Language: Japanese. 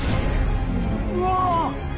うわ。